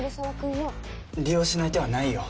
利用しない手はないよ。